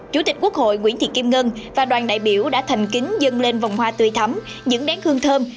chủ tịch quốc hội nguyễn thị kim ngân và đoàn đại biểu đã thành kính dâng lên vòng hoa tươi thắm những nén hương thơm